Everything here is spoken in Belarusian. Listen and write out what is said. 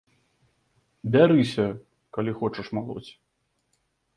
Бярыся, калі хочаш, малоць.